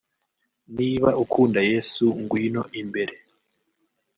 niba ukunda Yesu ngwino imbere